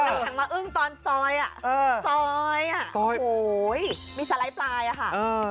หนังมาอึ้งตอนซอยอ่ะซอยอ่ะโหยมีสไลด์ปลายอ่ะค่ะ